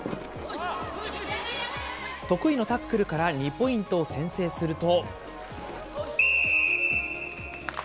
得意のタックルから２ポイントを先制すると。